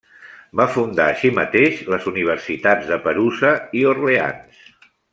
Va fundar així mateix les universitats de Perusa i Orleans.